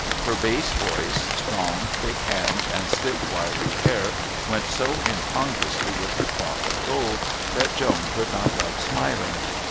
Her bass voice, strong thick hands and stiff wiry hair went so incongruously with her cloth of gold that Joan could not help smiling.